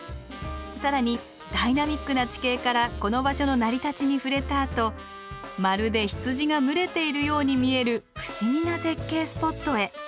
更にダイナミックな地形からこの場所の成り立ちに触れたあとまるで羊が群れているように見える不思議な絶景スポットへ。